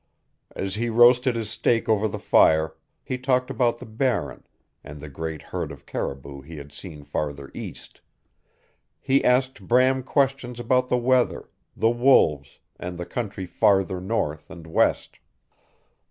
As he roasted his steak over the fire he talked about the Barren, and the great herd of caribou he had seen farther east; he asked Bram questions about the weather, the wolves, and the country farther north and west.